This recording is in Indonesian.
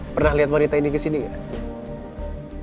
pernah lihat wanita ini ke sini nggak